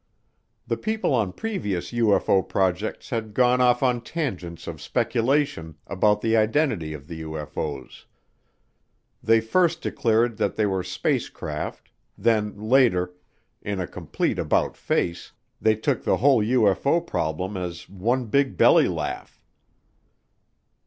The people on previous UFO projects had gone off on tangents of speculation about the identity of the UFO's; they first declared that they were spacecraft, then later, in a complete about face, they took the whole UFO problem as one big belly laugh.